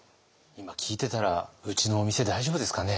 今聞いてたらうちのお店大丈夫ですかね。